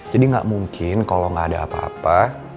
jadi gak mungkin kalo gak ada apa apa